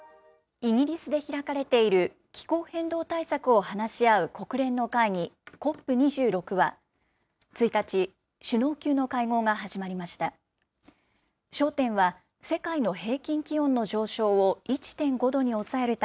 イギリスで開かれている、気候変動対策を話し合う国連の会議、ＣＯＰ２６は、１日、首脳級の会合が始まりました。